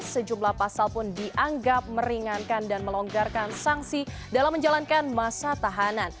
sejumlah pasal pun dianggap meringankan dan melonggarkan sanksi dalam menjalankan masa tahanan